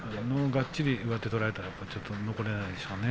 がっちり上手を取られたら残れないでしょうね。